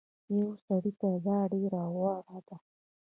يو سړي ته دا ډير غوره ده